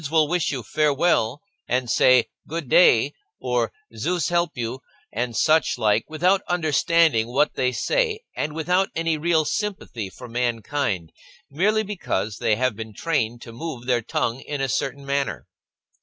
will wish you " farewell," and say " Good' day"' or "Zeus help you," and such like, without understanding what they say and without any real sympathy for mankind, merely because they have been trained to move their tongue in a certain manner.